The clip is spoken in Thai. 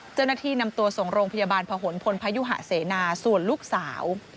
เจ้าหน้าที่นำตัวส่งโรงพยาบาลผนพลพยุหะเสนาส่วนลูกสาว